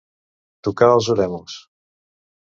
Tocar els oremus.